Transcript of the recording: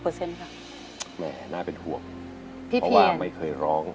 แม่น่าเป็นห่วงเพราะว่าไม่เคยร้อง